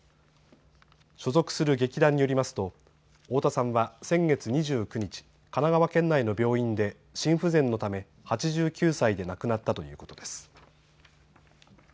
所属する劇団によりますと太田さんは先月２９日、神奈川県内の病院で心不全のため８９歳で亡くなったということです。